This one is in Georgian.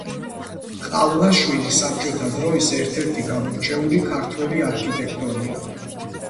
ყავლაშვილი საბჭოთა დროის ერთ-ერთი გამორჩეული ქართველი არქიტექტორია.